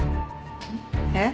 えっ？